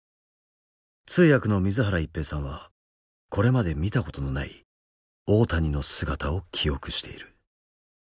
通訳の水原一平さんはこれまで見たことのない大谷の姿を記憶している。